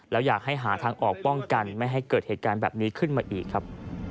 แล้วอยากให้หาทางออกป้องกันไม่ให้เกิดเหตุการณ์แบบนี้ขึ้นมาอีกครับ